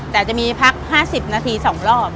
แต่จะมีพัก๕๐นาที๒รอบ